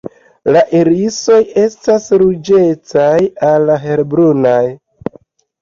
La irisoj estas ruĝecaj al helbrunaj.